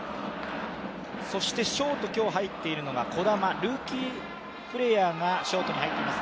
そしてショート、今日入っているのが児玉、ルーキープレーヤーがショートに入っています。